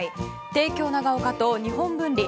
帝京長岡と日本文理。